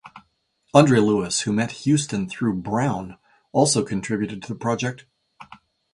Andre Lewis, who met Houston through Brown, also contributed to the project.